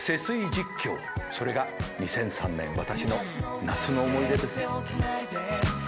実況それが２００３年私の夏の思い出です。